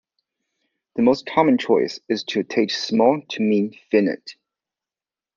The most common choice is to take "small" to mean finite.